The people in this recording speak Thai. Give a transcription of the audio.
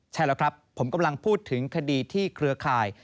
ใช่แล้วครับผมกำลังพูดถึงคดีที่เครือข่าย